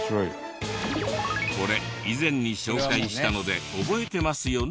これ以前に紹介したので覚えてますよね？